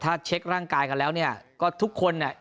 ถ้าเช็คร่างกายกันแล้วเนี่ยก็ทุกคนเนี่ย